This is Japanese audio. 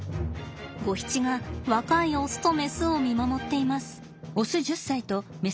ゴヒチが若いオスとメスを見守っています。